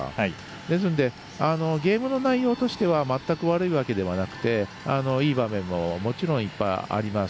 ですので、ゲームの内容としては全く悪いわけではなくていい場面ももちろんいっぱいあります。